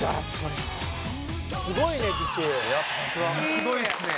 すごいですね。